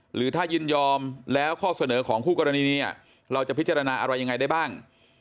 หรือถ้ายินยอมแล้วข้อเสนอของคู่กรณีนี้เราจะพิจารณาอะไรยังไงได้บ้าง